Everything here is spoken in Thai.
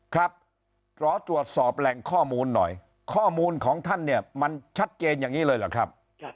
ครับขอตรวจสอบแหล่งข้อมูลหน่อยข้อมูลของท่านเนี่ยมันชัดเจนอย่างนี้เลยเหรอครับ